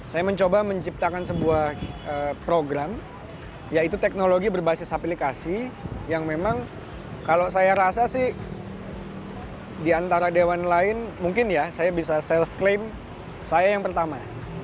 saya mencoba menciptakan sebuah program yaitu teknologi berbasis aplikasi yang memang kalau saya rasa sih diantara dewan lain mungkin ya saya bisa self claim saya yang pertama